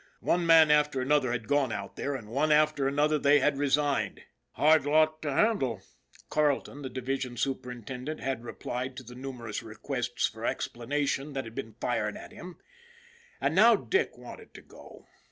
One man after another had gone out there, and one after another they had resigned. " Hard lot to handle," Carleton, the division superintendent, had replied to the numerous requests for explanation that had been fired at him. And now Dick wanted to go.